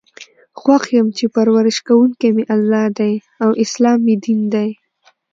خوښ یم چې پر ورش کوونکی می الله دی او اسلام می دین دی.